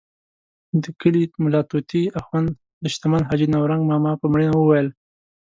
د کلي ملا طوطي اخند د شتمن حاجي نورنګ ماما په مړینه وویل.